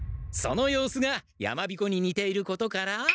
その様子が山彦ににていることから。